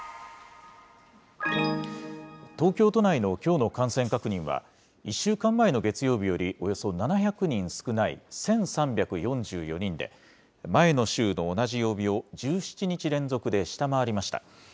東京都内のきょうの感染確認は、１週間前の月曜日よりおよそ７００人少ない１３４４人で、前の週の同じ曜日を１７日連続で下回りました。